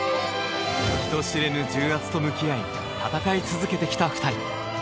人知れぬ重圧と向き合い戦い続けてきた２人。